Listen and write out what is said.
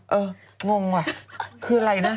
เอองงว่ะคืออะไรนะ